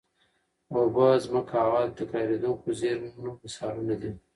اوبه، ځمکه او هوا د تکرارېدونکو زېرمونو مثالونه دي.